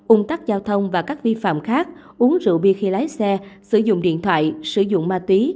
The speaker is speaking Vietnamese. ung tắc giao thông và các vi phạm khác uống rượu bia khi lái xe sử dụng điện thoại sử dụng ma túy